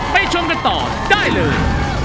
ชมกันต่อได้เลย